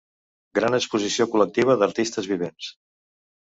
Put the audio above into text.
Gran exposició col·lectiva d'artistes vivents.